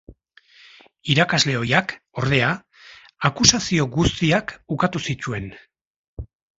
Irakasle ohiak, ordea, akusazio guztiak ukatu zituen.